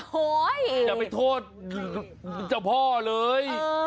โฮยโอ้โฮอย่าไปโทษเจ้าพ่อเลย